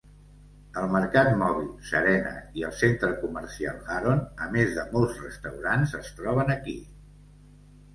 El mercat mòbil Serena i el centre comercial Haron, a més de molts restaurants, es troben aquí.